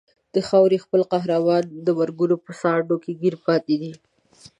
د خاورې خپل قهرمانان د مرګونو په ساندو کې ګیر پاتې دي.